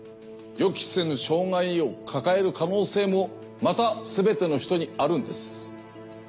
予期せぬ障害を抱える可能性もまたすべての人にあるんです。